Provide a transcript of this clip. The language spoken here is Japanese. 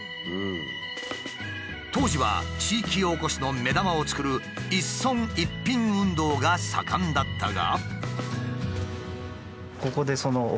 当時は地域おこしの目玉を作る一村一品運動が盛んだったが。